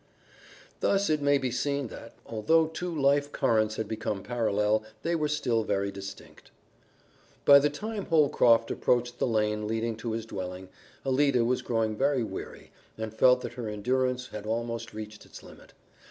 Thus it may be seen that, although two life currents had become parallel, they were still very distinct. By the time Holcroft approached the lane leading to his dwelling, Alida was growing very weary, and felt that her endurance had almost reached its limit.